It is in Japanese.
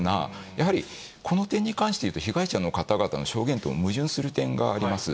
やはりこの点に関しては被害者の方々の証言と矛盾する点があります。